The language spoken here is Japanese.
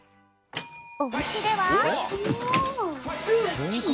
おうちでは。